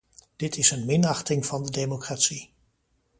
Dit is een minachting van de democratie.